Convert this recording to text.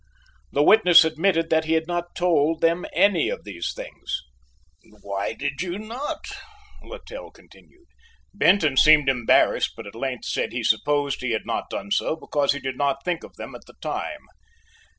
The witness admitted that he had not told them any of these things. "Why did you not?" Littell continued. Benton seemed embarrassed, but at length said he supposed he had not done so because he did not think of them at the time.